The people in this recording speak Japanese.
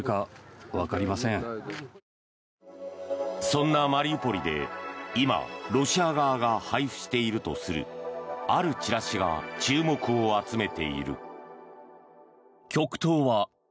そんなマリウポリで今ロシア側が配布しているとするあるチラシが注目を集めている。